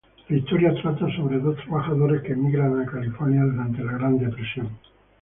La historia trata sobre dos trabajadores que emigran a California durante la Gran Depresión.